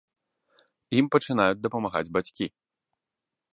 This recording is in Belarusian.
Ім пачынаюць дапамагаць бацькі!